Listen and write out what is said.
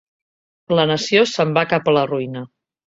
La nació se'n va cap a la ruïna.